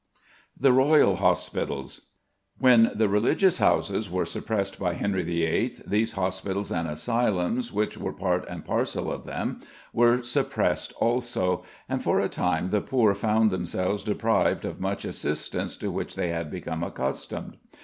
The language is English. THE ROYAL HOSPITALS. When the religious houses were suppressed by Henry VIII., these hospitals and asylums, which were part and parcel of them, were suppressed also, and for a time the poor found themselves deprived of much assistance to which they had become accustomed.